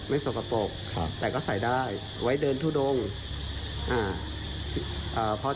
ไม่สกปะปกนะครับแต่ก็ใส่ได้ไว้เดินทู่ดงอ่าเออเพราะ